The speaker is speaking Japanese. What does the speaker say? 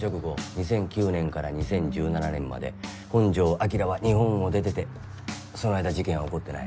２００９年から２０１７年まで本城彰は日本を出ててその間事件は起こってない。